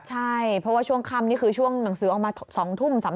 ใช่เพราะว่าช่วงค่ำนี่คือช่วงหนังสือออกมา๒ทุ่ม